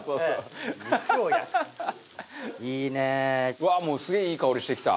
うわっすげえいい香りしてきた。